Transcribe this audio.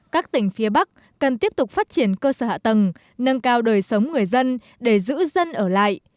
các tỉnh phía bắc cần tiếp tục phát triển cơ sở hạ tầng nâng cao đời sống người dân để giữ dân ở lại